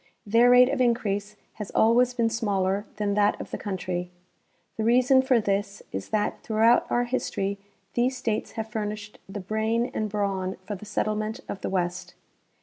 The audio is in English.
Their rate of increase has always been smaller than that of the country. The reason for this is that throughout our history these states have furnished the brain and brawn for the settlement of the west.